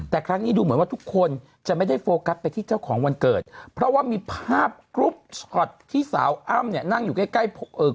ตอนนี้มีภาพลุปชอตที่สาวอำน่งอยู่ใกล้